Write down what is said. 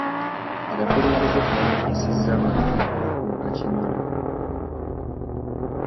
Abakulembeze tebamanyisizza bantu na ku bakunga kimala.